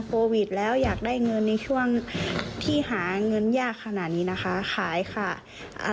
เพื่อที่อยากจะได้เงินประกันหลังจากทำประกันชีวิตเอาไว้